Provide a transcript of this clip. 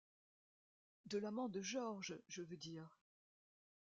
De l’amant de Georges, je veux dire.